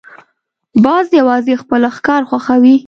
باز یوازې خپل ښکار خوښوي